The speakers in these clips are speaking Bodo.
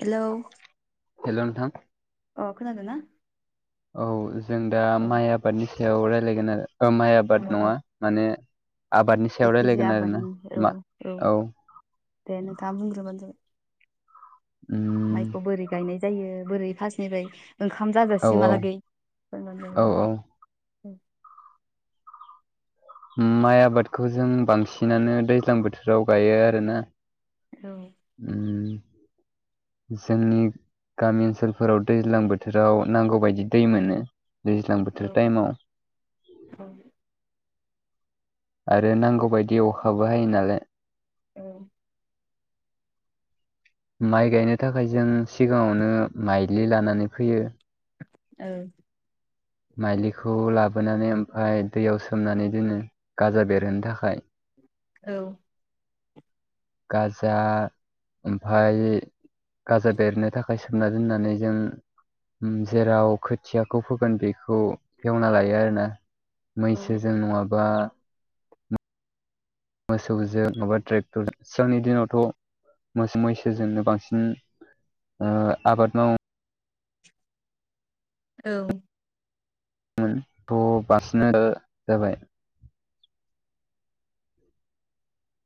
हेलौ हेल'नोंथां अ खोनादों ना? औ जों दा औ माइ आबादनि सायाव रायलायगोन आरो ओ माइ औ आबाद औ नङा माने आबादनि सायाव जायखिजाया रायलायगोन आरोना आबादनि औ मा औ दे नोंथांआ बुंग्रोबानो जाबाय उम माइखौ बोरै गायनाय जायो बोरै फासनायबाय ओंखाम औ जाजासिमहालागै। औ औ औ माइ आबादखौ जों बांसिनानो दैज्लां बोथोराव गायो आरोना। औ उम। जोंनि गामि ओनसोलफोराव दैज्लां बोथोराव नांगौबायदि दै मोनो। दैज्लां औ बोथोर टाइमाव। औ आरो नांगौबायदि अखाबो हायो नालाय औ माइ गायनो थाखाय जों सिगाङावनो माइलि लानानै फैयो औ माइलिखौ लाबोनानै ओमफ्राय दैयाव सोमनानै दोनो गाजा बेरहोनो थाखाय औ। गाजा ओमफ्राय गाजा बेरनो थाखाय सोमना दोननानै जों जेराव खोथियाखौ फोगोन बेखौ एवना लायो आरोना। मैसोजों नङाबा मोसौजों माबा ट्रेक्टर सिगांनि दिनावथ' मोसौ मैसोजोंनो बांसिन ओ आबाद मावो। औ। थ बारसिनेल जाबाय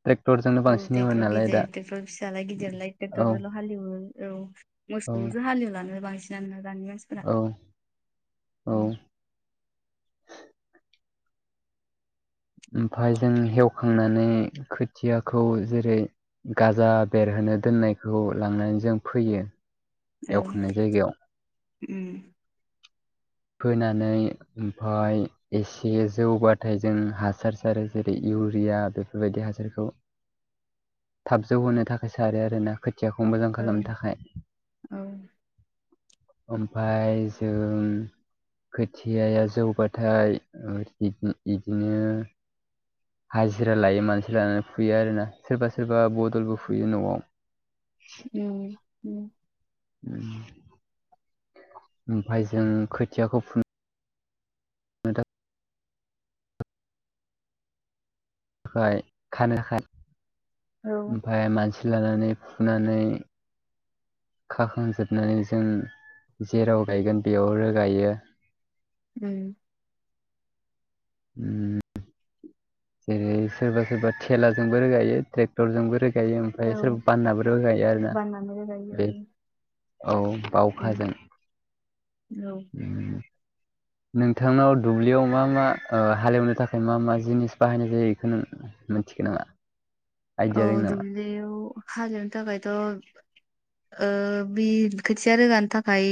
ट्रेक्टरजोंनो औ बांसिन एवो ट्रेक्टर नालाय दा गिदिर ट्रेक्टर फिसालाय गिदिरलाय औ ट्रेक्टरजोंल' हाललिवो औ औ मोसौसो हालेवलानो बांसिनानो दानि मानसिफोरा औ औ ओमफाय जों हेवखांनानै खोथियाखौ जेरै गाजा बेरहोनो दोननायखौ लांनानै जों फैयो औ एवखांनाय जायगायाव उम फोनानै ओमफाय एसे जौबाथाय जों हासार सारो जेरै इउरिया बेफोरबायदि हासारखौ थाबजौ होनो थाखाय सारो आरोना खुथियाखौ मोजां औ खालामनो थाखाय औ ओमफ्राय जों खोथियाया जौबाथाय बिदिनो हाजिरा लायो मानसि लानानै फुयो आरोना सोरबा सोरबा बदलबो फुयो न'आव उम। ओमफाय जों खोथियाखौ फुन ओमफ्राय खानो औ ओमफ्राय मानसि लानानै फुनानै खाखांजोबनानै जों जेराव गायगोन बेयाव रोगायो। उम। उम जेरै सोरबा सोरबा थेलाजोंबो रोगायो ट्रेक्टरजोंबो रोगायो गायो ओमफ्राय औ सोरबा बाननाबो रोगायो आरोना बाननानै रोगायो औ बे औ उम बावखाजों। औ। उम [inaudible] नोंथांनाव दुब्लियाव मा मा ओ हालेवनो थाखाय मा मा जिनिस बाहायनाय जायो बेखौ नों ना औ दुब्लियाव हाजिरनो थाखायथ' ओ बे खोथिया रोगानि थाखाय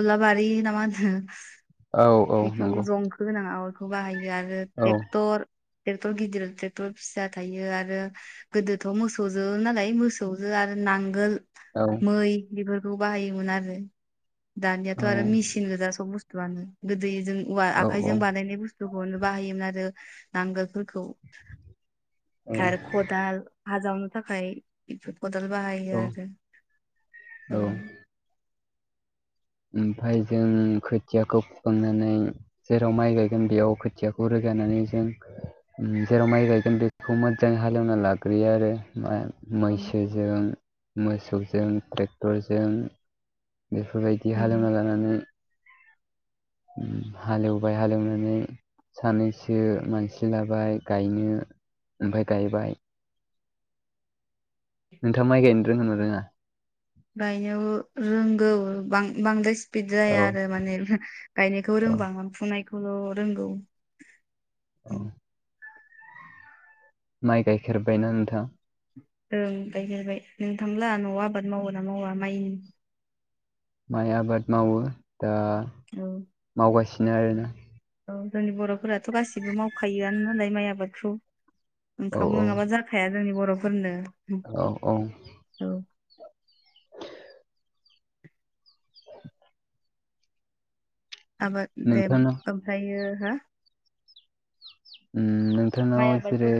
गलाबारि ना मा होनो औ औ जिथु नंगौ जंखो होनाङा बेखौ बाहायो आरो औ ट्रेटर ट्रेक्टर गिदिर ट्रेक्टर फिसा थायो आरो गोदोथ' मोसौजो नालाय मोसौजो आरो नांगोल औ मै बेफोर खौ बाहायोमोन आरो औ दानियाथ' आरो मेचन गोजा सब बुस्थुआनो गोदै जों औवा आखायजों बानायनाय बुस्थुखौनो बाहायोमोन आरो नांगोलफोरखौ औ। आरो खदाल हाजावनो थाखाय खदाल बाहायो आरो। ओमफ्राय जों खोथियाखौ फुखांनानै जेराव माइ गायगोन बेयाव खोथियाखौ रोग माइ गनानै जों उम जेराव माइ गायगोन बेखौ मोजाङै हालेवना लाग्रोयो आरो। मा मैसोजों मोसौजों ट्रेक्टरजों बेफोरबायदि उम हालेवना लानानै हालेवबाय हालेवनानै सानैसो मानसिलाबाय गायनो ओमफ्राय गायबाय। नोंथाङा माइ गायनो रोंओ ना रोङा? गायनायाव रोंगौ बां बांद्राय सि फिद जाया औ आरो माने गायनायखौ औ रोंबा आ फुनायखौल' रोंगौ। औ। माइ गायखेरबायना नोंथां? ओं गायगेरबाय नोंथांब्ला न'आव आबाद मावो ना मावा माइनि? माइ आबाद मावो दा औ मावगासिनो आरोना। औ जोंनि बर'फोराथ' गासिबो मावखायोआनो नालाय माइ आबादखौ। औ ओंखाम औ नङाबा जाखाया जोंनि बर'फोरनो। औ औ। औ [inaudible] आबा दे नोंथांनाव ओमफ्रायो हो नोंथांनाव सेरै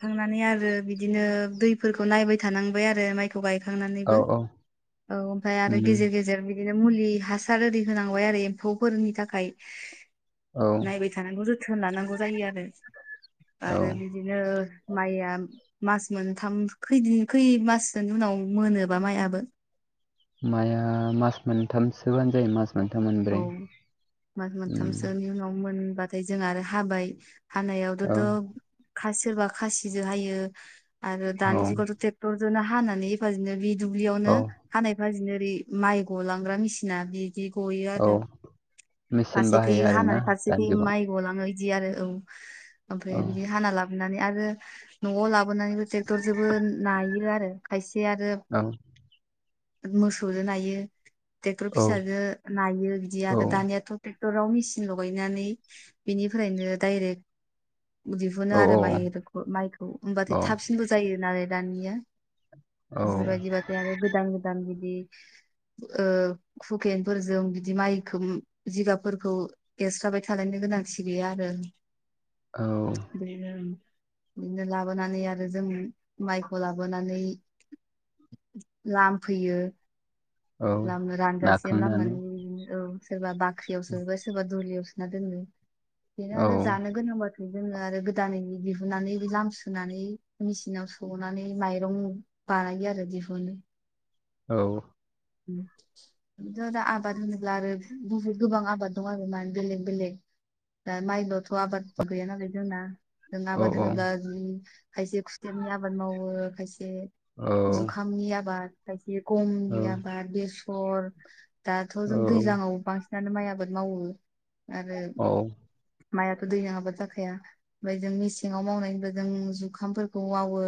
थखांनानै आरो बिदिनो दै फोरखौ नायबाय थानांबाय आरो माइखौ थ औ गायखांनानैबो औ औ ओमफ्राय आरो उम गेजेर गेजेर बिदि बिनो मुलि हासार रै होनांबाय आरो एम्फौफोरनि थाखाय औ नायबाय थानांगौ जोथोन लानांगौ जायो आरो औ आरो बिदिनो माइया मास मोनथाम खैदिन खै माससोनि उनाव मोनोबा माइयाबो माइआ मास मोनथामसोबानो जायो मास मोनथाम औ मोनब्रै मास उम मोनथामसोनि उनाव मोन हबाथाय जों आरो हाबाय औ हानायावथ'थ' खा सोरबा खासिजों हायो। आरो औ दानि जुगावथ' ट्रेक्टर जनो हानानै एफाजिनो बे दुब्लियावनो औ हानाय एफाजिनो माइ गलांग्रा मेसिना बिदि गयो आरो औ मेचिन फारसेखै बाहायो आरोना हानानै दानि फारसेखै जुगाव माइ गलाङो। बि आरो नंगौ ओमफ्राय औ बिदि हानाय लाबोना आरो न'आव लाबोनानैबो ट्रेक्टर जबो नायो आरो खायसे आरो औ मोसौजों नायो ट्रेक्टर औ फिसाजो नायो बिदि औ आरो दानियाथ' टेक्टराव मेसिन लगायनानै बेनिफ्रायनो डायरेक्ट दिहुनो औ आरो माइ माइखौ औ होनबाथाय थाबसिनबो जायो नालाय दानिया। बेफोर औ बायदि बा थाय आरो गोदान गोदान बिदि ओ हुकेन फोरजों बिदि माइखौ जिगाबफोरखौ एरस्राबाय थानायनि गोनांथि गैया आरो। औ बेजों बिदिनो लाबोनानै आरो जों माइखौ लाबोनानै लाम फैयो। औ लाम रानजासिनो नाखांनानै लामनानै औ सोरबा बाख्रियाव सोबाय सोरबा दुलियाव सो दोनो बेनो औ आरो जानो गोनांबा जोङो आरो गोदानै दिहुननानै लाम सुनानै मेचिनाव सौनानै माइरं बानायो आरो दिहुनो। औ। थ' दा आबाद होनोब्ला आरो बुहुद गोबां आबाद दं आरो मान बेलेग बेलेग। दा माइ लथ' आबाद गैया नालाय जोंना। जों औ आबाद होनोब्ला ओ खायसे खुसेयानि आबाद मावो खायसे औ जुखामनि आबाद खायसे औ गमनि आबाद बेसर दाथ' जों दैज्लांआव बांसिनानो माइ आबाद मावो आरो। माइथ' दै नाङाबा जाखाया ओमफ्राय जों मेसेङाव मावनायनिबो जों जुखामफोरखौ मावो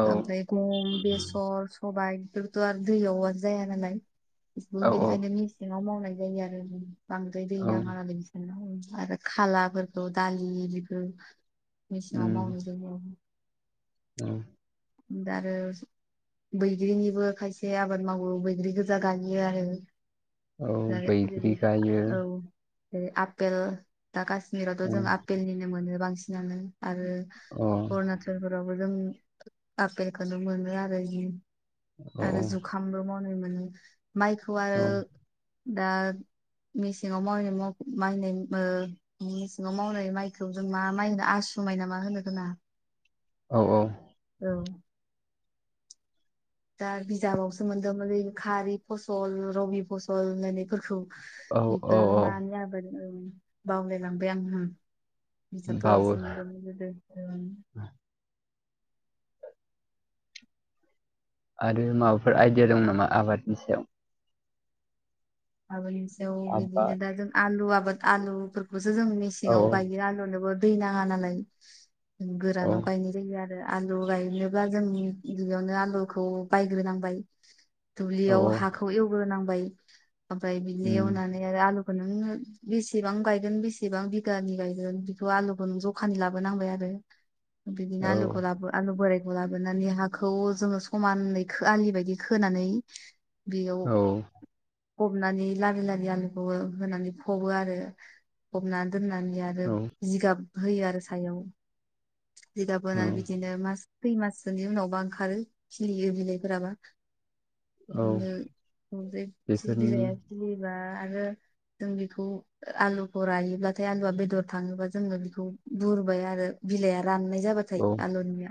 औ ओमफ्राय गम बेसर सबाय बेफोरथ' आरो दैयाव जाया नालाय बिबो औ बेनिखायनो मेसेंआव मावनाय जायो आरो बांद्राय दै औ नाङानालाय बिसोरनो आरो खालाफोरखौ दालि बिखौ मेसेङाव मावनाय उम जायो। औ। दा आरो। बैग्रिनिबो खायसे आबाद मावो बैग्रि गोजा गायो आरो। औ दा बैग्रि बिदि गायो औ। जेरै आपेल दा काश्मिरावथ' औ जों आपेलनिनो मोनो बांसिनानो आरो औ अरुणाचलफोरावबो जों आपेलखौनो मोनो आरो औ आरो जुखामबो मावनाय मोनो माइखौ आरो औ दा मेसेङाव मावनाय माव मनाय मेसेंआव मावनाय माइखौ जों मा माइ होनो आसु आसु माय नामा होनो जोंना औ औ। औ। दा बिजाबावसो मोन्दोंमोनलै खारै फसल रबि फसल होननायफोरखौ। औ औ बेफोर औ मानि आबाद बावलायलांबाय आं। बिजाबफोरसो बावो मोनदोंमोन गोदो ओं। आरो माबाफोर आइडिया दं नामा आबादनि सायाव। आबादनि सायाव बिदिनो आबाद दा जों आलु आबाद आलुफोरखौ। बेखौसो जों औ मेसेंआव आलुनोबो दै नाङा नालाय गोरानाव गायनाय जायो आरो। आलु गायनोब्ला जों बेयावनो आलुखौ बायग्रोनांबाय। औ दुब्लियाव हाखौ एवग्रोनांबाय ओमफ्राय बिनो उम, एवनानै आरो आलु नों बेसेबां गायगोन बेसेबां बिगानि गायगोन बेखौ आलुखौ नों जखानि लाबोनांबाय आरो। बिदिनो औ आलुखौ लाबो आलु बोराय लाबोनानै हाखौ जोङो समानै खो आलि बायदि खोनानै बेयाव औ फबनानै लारि लारि आलुखौबो होनानै फबो आरो फबनानै दोननानै आरो औ जिगाब होयो आरो सायाव जि गाब औ होनानै बिदि मास खै माससोनि उनावबा ओंखारो खिलियो बिलाइफोराबा औ बिदिनो बे बेफोरनि बिलाया खिलिबा आरो। जों बेखौ आलुखौ रायोब्लाथाय आलुआ बेदर थाङोबा जोङो बेखौ बुरबाय आरो। बिलाइआ राननाय जाबाथाय औ आलुनिया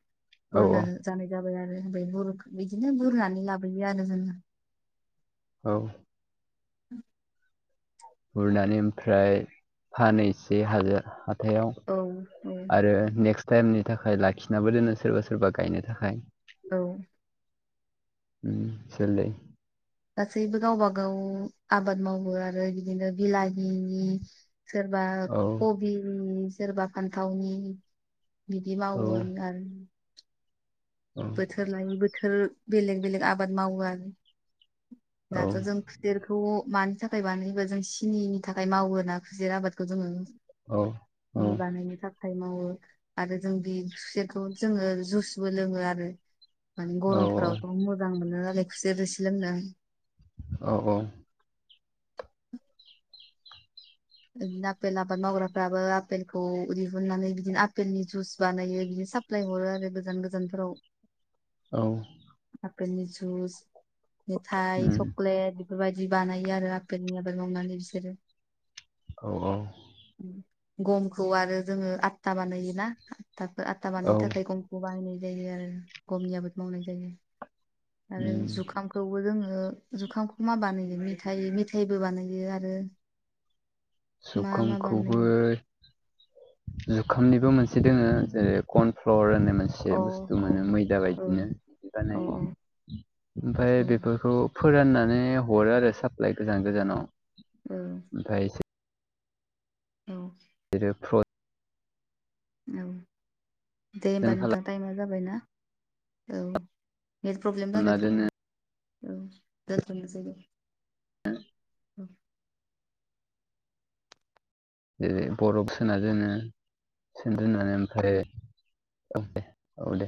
औ बुरनो जानाय जाबाय आरो ओमफ्राय बिदिनो बुरनानै लाबोयो आरो जोङो औ। [unintelligible] गुरनानै ओमफ्राय फानो‌ एसे हाजार थायाव औ औ आरो नेक्स्ट टाइमनि थाखाय लाखिनाबो दोनो सोरबा सोरबा गायनो थाखाय औ। उम जोलै गासैबो गावबा गाव आबाद मावो आरो बिदिनो बिलाहिनि सोरबा औ कबिनि सोरबा फान्थावनि बिदि औ मावोन आरो। औ बोथोर लायै बोथोर बेलेग बेलेग आबाद मावो आरो। औ दाथ' जों खुसेरखौ मानि थाखाय बानायो होनबा जों सिनिनि थाखाय मावो ना खुसेर आबादखौ जोङो। औ नि औ बानायनो था खाइ मावो आरो जों बि खुसेरखौ जोङो जुसबो लोङो आरो। माने औ गरमफोरावथ' मोजां मोनो नालाय खुसेर रोसि लोंनो। औ औ। ओ आपेल आबाद मावग्राफ्राबो आपेलखौ दिहुननानै बिदिनो आपेलनि जुइस बानायो साप्लाय हरो आरो गोजान गोजानफोराव। औ ‌। आफेल नि जुस मिथाय उम चकलेट बेफोरबायदि बानायो आरो आफेलनि आबाद मावनानै बिसोरो ‌। औ औ। गमखौ आरो जोङो आता बानायोना आता आतता औ बानायनो थाखाय गमखौ बाहायनाय जायो आरो गमनि आबाद मावनाय जायो। आरो उम जुखामखौबो जोङो ओ जुखामखौ मा बानायो मिथाइ-मिथाइबो बानायो आरो मा मा बानायो जुखामखौबोै जुखामनिबो मोनसे दोङो जेरै कर्न फ्लर होनो। अ मोनसे बुस्थु औ मोनो मैदा औ बायदिनो औ बिदिबानायो। ओमफ्राय औ बेफोरखौ फोराननानै हरो आरो साप्लाय गोजान गोजानाव। औ। ओमफ्राय औ। [unintelligible] औ दे होमबा नोंथां टाइमबो जाबायना औ। नेट प्रब्लेम खालामना जादों दोनो खोनाया औ दोन्थ'नोसै दे। [unintelligible] औ। जेरै बरफ सोना दोनो सोना देननानै ओमफ्राय [unintelligible] औ दे।